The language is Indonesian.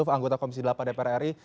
menggunakan informasi terkait